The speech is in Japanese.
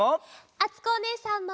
あつこおねえさんも。